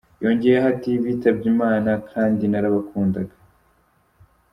Yongeyeho ati “Bitabye Imana kandi narabakundaga.